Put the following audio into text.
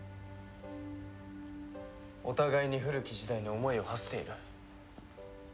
お互いに古き時代に思いをはせている。